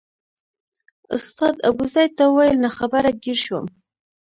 استاد ابوزید ته وویل ناخبره ګیر شوم.